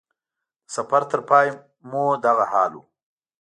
د سفر تر پای مو دغه حال و.